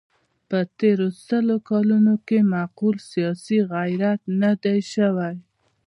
په تېرو سلو کلونو کې معقول سیاسي غیرت نه دی شوی.